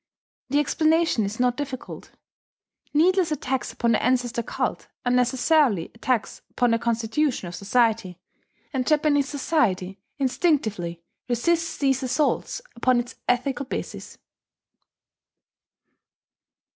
The explanation is not difficult. Needless attacks upon the ancestor cult are necessarily attacks upon the constitution of society; and Japanese society instinctively resists these assaults upon its ethical basis.